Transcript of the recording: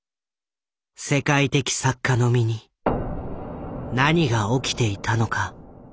世界的作家の身に何が起きていたのか。